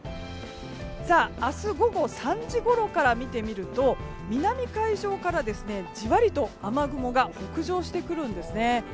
明日午後３時ごろから見てみると南海上からじわりと雨雲が北上してくるんですね。